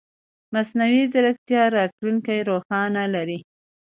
مصنوعي ځیرکتیا راتلونکې روښانه لري.